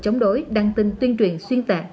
chống đối đăng tin tuyên truyền xuyên tạc